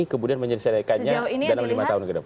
kemudian menyelesaikannya dalam lima tahun ke depan